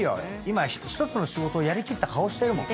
今１つの仕事をやり切った顔してるもん。